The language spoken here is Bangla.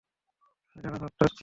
আমি ডানা ঝাপটাচ্ছি।